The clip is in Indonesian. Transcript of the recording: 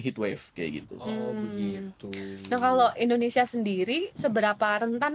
hit wave kayak gitu oh begitu kalau indonesia sendiri seberapa rentan